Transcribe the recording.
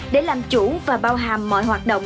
để làm chủ và bao hàm mọi hoạt động